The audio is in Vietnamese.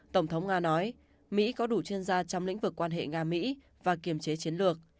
tổng thống nga nói mỹ có đủ chuyên gia trong lĩnh vực quan hệ nga mỹ và kiềm chế chiến lược